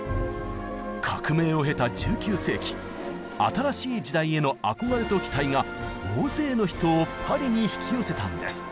革命を経た１９世紀新しい時代への憧れと期待が大勢の人をパリに引き寄せたんです。